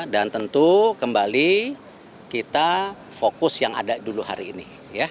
dan tentu kembali kita fokus yang ada dulu hari ini